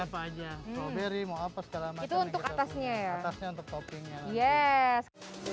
apa aja beri mau apa sekarang itu untuk atasnya atasnya untuk toppingnya yes